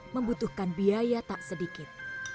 membutuhkan biaya tak sedikit